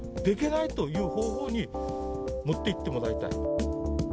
できないという方向に持っていってもらいたい。